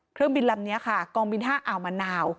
เครื่องบินลำนี้ค่ะกองบิน๕อ่าวมะนาว